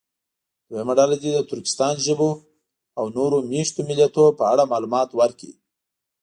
دویمه ډله دې د ترکمنستان ژبو او نورو مېشتو ملیتونو په اړه معلومات ورکړي.